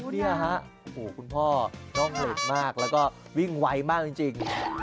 นี่ฮะโอ้โหคุณพ่อน่องเหล็กมากแล้วก็วิ่งไวมากจริง